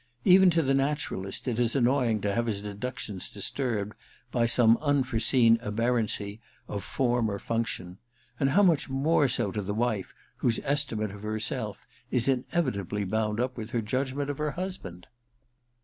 Even to the naturalist it is annoying to have his deductions disturbed by some unfore seen aberrancy of form or function ; and how much more so to the wife whose estimate of herself is inevitably bound up with her judg ment of her husband